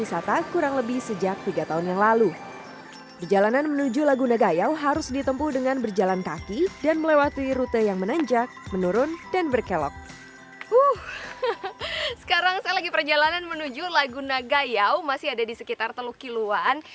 sekarang saya lagi perjalanan menuju laguna gayau masih ada di sekitar teluk kiluan